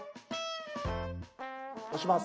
押します。